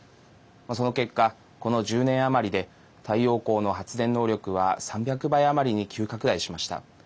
その結果、この１０年余りで太陽光の発電能力は３００倍余りに急拡大しました。